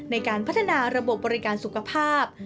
ในการพัฒนาระบบบบริการสุขภาพ